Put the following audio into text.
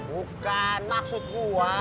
bukan maksud gua